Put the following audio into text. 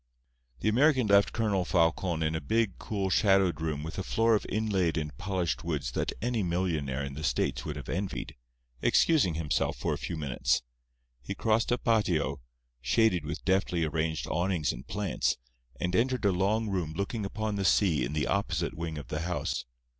The American left Colonel Falcon in a big, cool, shadowed room with a floor of inlaid and polished woods that any millionaire in the States would have envied, excusing himself for a few minutes. He crossed a patio, shaded with deftly arranged awnings and plants, and entered a long room looking upon the sea in the opposite wing of the house.